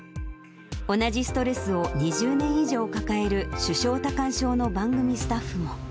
同じストレスを２０年以上抱える、手掌多汗症の番組スタッフも。